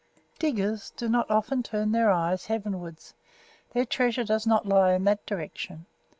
Diggers do not often turn their eyes heavenwards; their treasure does not lie in that direction.